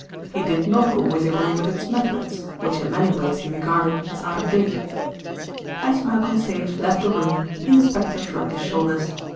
He did not always agree with its methods, which in many ways he regarded as out of date. As Malcolm Sage left the room, the inspector shrugged his shoulders.